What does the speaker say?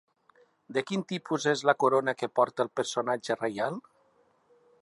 De quin tipus és la corona que porta el personatge reial?